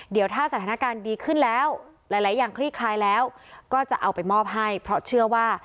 เดี๋ยวถ้าสถานการณ์ดีขึ้นแล้วหลายอย่างคลี่คลายแล้วก็จะเอาไปมอบให้เพราะเชื่อว่า